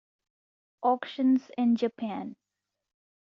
Auctions in Japan.